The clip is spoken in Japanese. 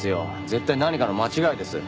絶対何かの間違いです。